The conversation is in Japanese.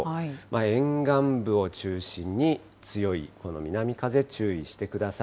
沿岸部を中心に強いこの南風、注意してください。